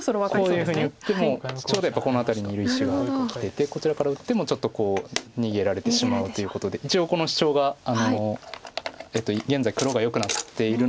こういうふうに打ってもちょうどやっぱりこの辺りにいる石がきててこちらから打ってもちょっと逃げられてしまうということで一応このシチョウが現在黒がよくなっているので。